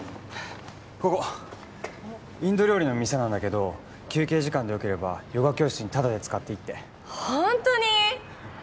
ここインド料理の店なんだけど休憩時間でよければヨガ教室にタダで使っていいってホントに？